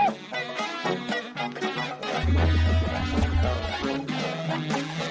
ทำสน